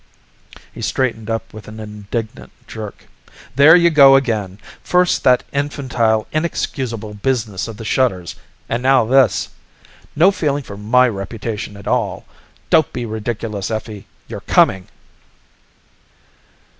He straightened up with an indignant jerk. "There you go again! First that infantile, inexcusable business of the shutters, and now this! No feeling for my reputation at all. Don't be ridiculous, Effie. You're coming!"